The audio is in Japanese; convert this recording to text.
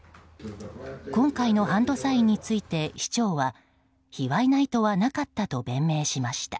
今回のハンドサインについて市長は卑猥な意図はなかったと弁明しました。